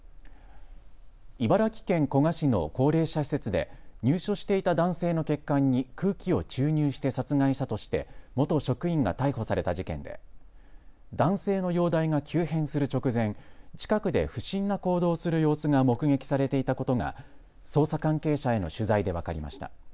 茨城県古河市の高齢者施設で入所していた男性の血管に空気を注入して殺害したとして元職員が逮捕された事件で男性の容体が急変する直前、近くで不審な行動をする様子が目撃されていたことが捜査関係者への取材で分かりました。